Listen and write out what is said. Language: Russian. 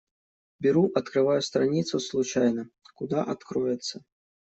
Беру, открываю страницу случайно — куда откроется.